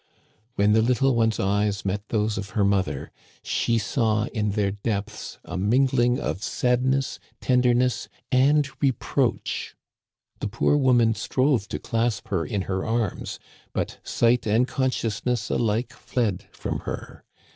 When the little one's eyes met those of her mother, she saw in their depths a mingling of sadness, tenderness, and reproach. The poor woman strove to clasp her in her arms, but sight and conscious ness alike fled from her.